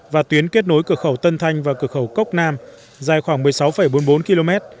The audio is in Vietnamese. và tuyến kết nối cửa khẩu tân thanh và cửa khẩu cốc nam dài khoảng một mươi sáu bốn mươi bốn km